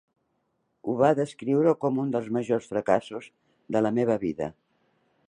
Ho va descriure com un dels majors fracassos de la meva vida...